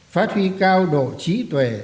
phát huy cao độ trí tuệ